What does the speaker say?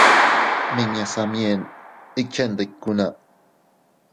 Miña Samyen ikchendikuna.